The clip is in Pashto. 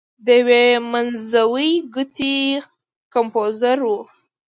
د یوې منځوۍ ګوتې کمپوزر و.